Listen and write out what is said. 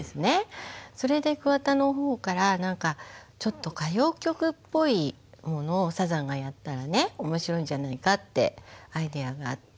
それで桑田の方からちょっと歌謡曲っぽいものをサザンがやったらね面白いんじゃないかってアイデアがあって。